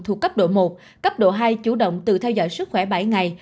thuộc cấp độ một cấp độ hai chủ động tự theo dõi sức khỏe bảy ngày